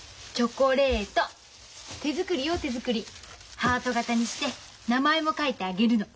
ハート型にして名前も書いてあげるの。